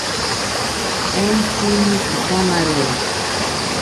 Entsini kitamarori.